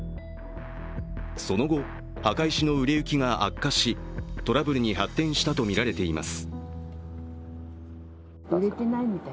その後、墓石の売れ行きが悪化し、トラブルに発展したとみられています。